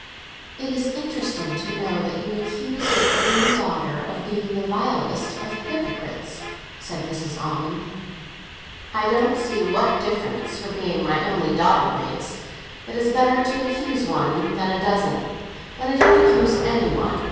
"It is interesting to know that you accuse your only daughter of being the vilest of hypocrites," said Mrs. Almond. "I don't see what difference her being my only daughter makes. It is better to accuse one than a dozen. But I don't accuse any one.